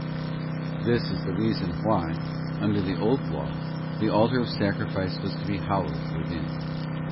This is the reason why, under the old law, the altar of sacrifice was to be hollow within.